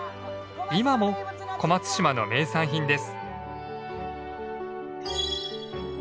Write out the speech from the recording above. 今も小松島の名産品です。